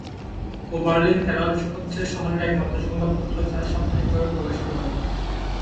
Oberlin Herald হচ্ছে শহরের একমাত্র সংবাদপত্র, যা সাপ্তাহিকভাবে প্রকাশিত হয়।